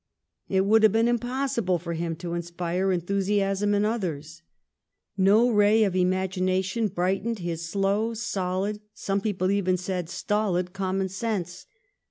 It would have been impossible for him to inspire enthusiasm in others. No ray of imagination brightened his slow, solid, some people even said stolid, common sense.